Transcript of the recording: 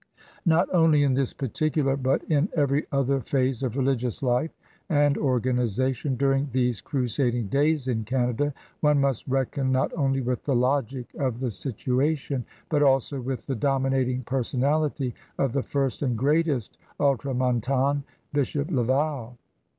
Not only in this particular, but in every other phase of religious life and organization during these crusading days in Canada, one must reckon not only with the logic of the situation, but also with the dominating personality of the first and greatest Ultramontane, Bishop Laval.